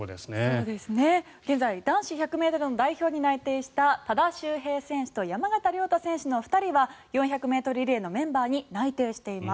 現在、男子１００ｍの代表に内定した多田修平選手と山縣亮太選手の２人は４００ｍリレーのメンバーに内定しています。